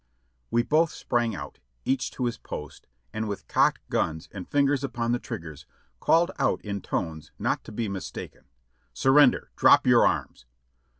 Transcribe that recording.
We both sprang out, each to his post, and with cocked guns and fingers upon the triggers, called out in tones not to be mis taken: "Surrender! Drop your arms!"